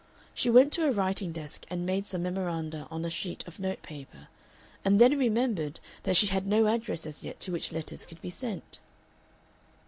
She went to a writing desk and made some memoranda on a sheet of note paper, and then remembered that she had no address as yet to which letters could be sent.